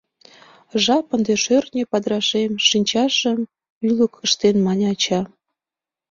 — Жап ынде, шӧртньӧ падырашем! — шинчажым ӱлык ыштен, мане ача.